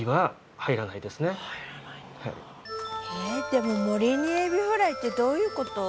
入らないんだでも森にエビフライってどういうこと？